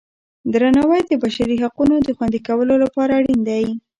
درناوی د بشري حقونو د خوندي کولو لپاره اړین دی.